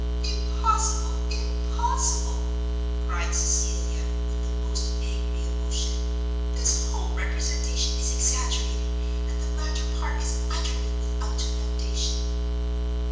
"Impossible! impossible!" cried Cecilia, with the most angry emotion; "this whole representation is exaggerated, and the latter part is utterly without foundation."